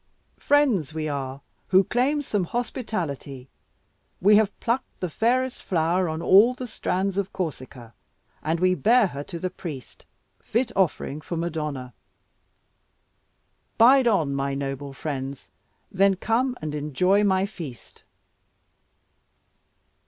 "Friends we are, who claim some hospitality. We have plucked the fairest flower on all the strands of Corsica, and we bear her to the priest, fit offering for Madonna." "Bide on, my noble friends; then come and enjoy my feast."